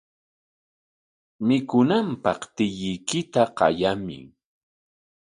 Mikunanpaq tiyuykita qayamuy.